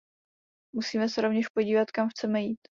Musíme se rovněž podívat, kam chceme jít.